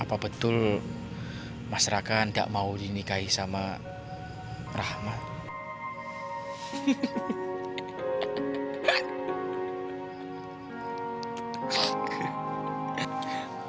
apa betul mas rakan gak mau dinikahi sama rahmat